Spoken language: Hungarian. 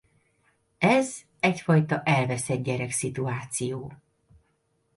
Ez egyfajta elveszett-gyerek szituáció.